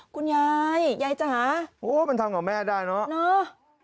คุณยายยายจ๋าโอ้มันทำกับแม่ได้เนอะเนอะ